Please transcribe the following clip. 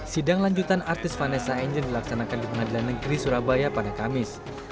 sidang lanjutan artis vanessa angel dilaksanakan di pengadilan negeri surabaya pada kamis